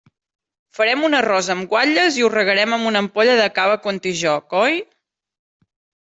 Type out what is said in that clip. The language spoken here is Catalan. Farem un arròs amb guatlles i ho regarem amb una ampolla de cava Contijoch, oi?